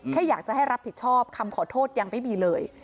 แค่อยากจะให้รับผิดชอบคำขอโทษยังไม่มีเลย